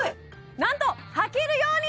なんとはけるように！